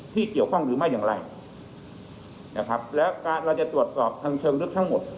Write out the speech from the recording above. ที่เกี่ยวข้องหรือไม่อย่างไรนะครับแล้วการเราจะตรวจสอบทางเชิงลึกทั้งหมด